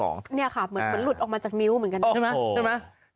นี่ค่ะเหมือนหลุดออกมาจากนิ้วเหมือนกันใช่ไหม